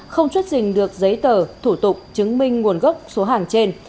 không chốt dình được giấy tờ thủ tục chứng minh nguồn gốc số hàng trên